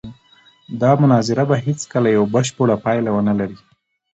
دا مناظره به هېڅکله یوه بشپړه پایله ونه لري.